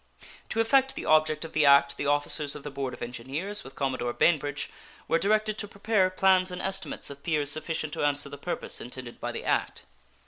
To effect the object of the act the officers of the Board of Engineers, with Commodore Bainbridge, were directed to prepare plans and estimates of piers sufficient to answer the purpose intended by the act.